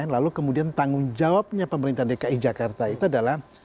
lalu kemudian tanggung jawabnya pemerintah dki jakarta itu adalah